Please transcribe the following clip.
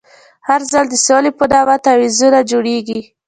هر ځل د سولې په نامه تعویضونه جوړېږي.